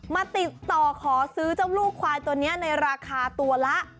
มาติดต่อขอซื้อเจ้าลูกควายตัวนี้ในราคาตัวละ